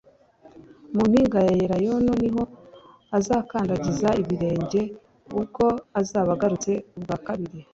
Mu mpinga ya Elayono niho azakandagiza ibirenge ubwo azaba agarutse ubwa kabiri.